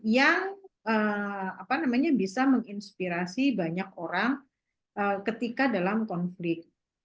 yang bisa menginspirasi banyak orang ketika dalam konflik